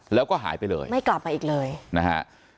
แล้วก็หายไปเลยไม่กลับมาอีกเลยนะฮะ